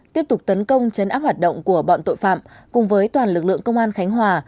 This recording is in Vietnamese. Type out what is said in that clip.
tiếp tục tấn công chấn áp hoạt động của bọn tội phạm cùng với toàn lực lượng công an khánh hòa